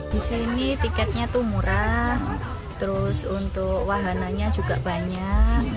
di sini tiketnya itu murah terus untuk wahananya juga banyak